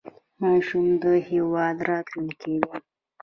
ماشومان د هېواد راتلونکی دی